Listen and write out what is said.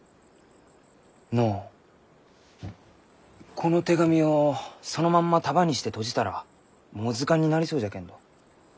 この手紙をそのまんま束にしてとじたらもう図鑑になりそうじゃけんど？